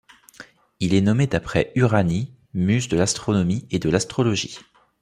Il est nommé d'après Uranie, muse de l'astronomie et de l'astrologie.